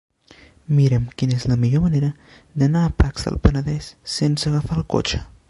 Mira'm quina és la millor manera d'anar a Pacs del Penedès sense agafar el cotxe.